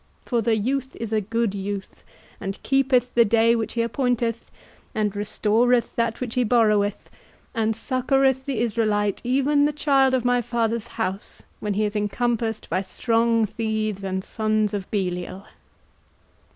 For the youth is a good youth, and keepeth the day which he appointeth, and restoreth that which he borroweth, and succoureth the Israelite, even the child of my father's house, when he is encompassed by strong thieves and sons of Belial."